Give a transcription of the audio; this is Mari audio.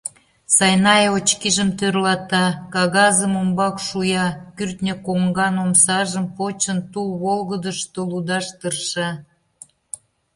Сайнай очкижым тӧрлата, кагазым умбак шуя, кӱртньӧ коҥган омсажым почын, тул волгыдышто лудаш тырша.